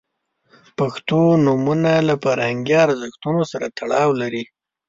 • پښتو نومونه له فرهنګي ارزښتونو سره تړاو لري.